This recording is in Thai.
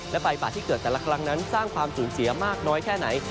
และไฟป่าที่เกิดแต่ละครั้งนั้นสร้างความสูญเสียมากน้อยแค่ไหน